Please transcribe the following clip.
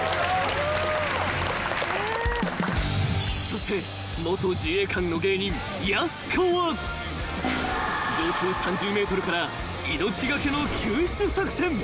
［そして元自衛官の芸人やす子は上空３０ｍから命懸けの救出作戦］